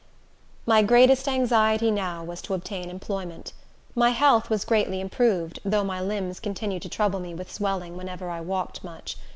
My greatest anxiety now was to obtain employment. My health was greatly improved, though my limbs continued to trouble me with swelling whenever I walked much.